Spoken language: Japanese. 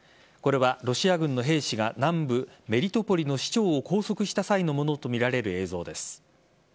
これはロシア軍の兵士が南部・メリトポリの市長を拘束した際のものとみられる映像です。